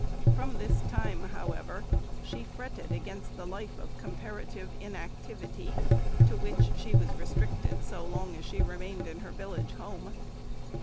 From this time, however, she fretted against the life of comparative inactivity to which she was restricted so long as she remained in her village home.